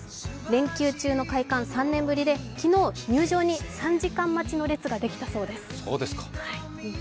連休中の開館は３年ぶりで、昨日は入場に３時間待ちの列ができたそうです。